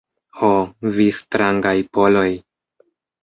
Ho, vi strangaj Poloj!